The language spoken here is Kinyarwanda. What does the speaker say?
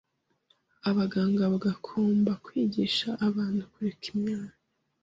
Abaganga bagomba kwigisha abantu kureka inyama